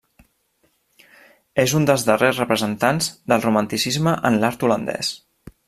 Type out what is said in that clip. És un dels darrers representants del Romanticisme en l'art holandès.